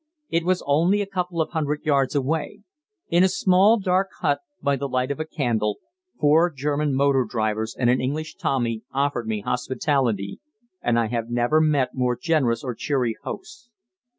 It was only a couple of hundred yards away. In a small dark hut, by the light of a candle, four German motor drivers and an English Tommy offered me hospitality, and I have never met more generous or cheery hosts.